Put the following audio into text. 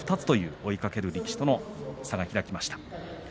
追いかける力士との差が開きました。